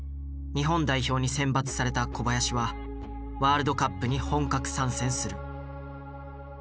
日本代表に選抜された小林はワールドカップに本格参戦する。